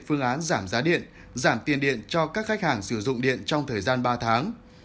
phương án giảm giá điện giảm tiền điện cho các khách hàng sử dụng điện trong thời gian ba tháng